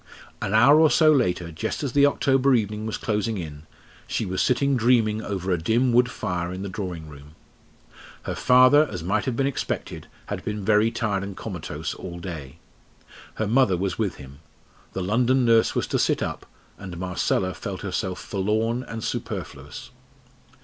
An hour or so later, just as the October evening was closing in, she was sitting dreaming over a dim wood fire in the drawing room. Her father, as might have been expected, had been very tired and comatose all day. Her mother was with him; the London nurse was to sit up, and Marcella felt herself forlorn and superfluous.